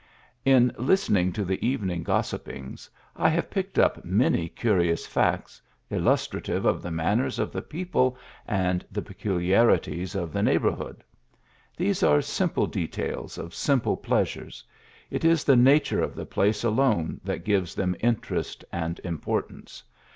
In listening to the evening gossipings, I have picked up many curious facts, illustrative of the manners of the people and the peculiarities of the neighbourhood. These are simple details of simple pleasures ; it is the nature of the place alone that gives them interest and importance.